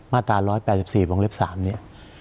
มาตรา๑๘๔บเล็บ๓นี่